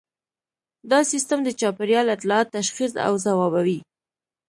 دا سیستم د چاپیریال اطلاعات تشخیص او ځوابوي